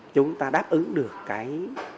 chúng ta đáp ứng được cái